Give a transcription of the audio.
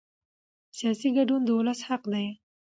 سیاسي ګډون د ولس حق دی